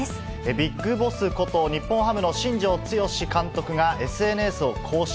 ビッグボスこと日本ハムの新庄剛志監督が、ＳＮＳを更新。